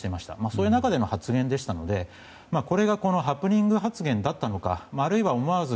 そういう中での発言でしたのでこれがハプニング発言だったのかあるいは思わず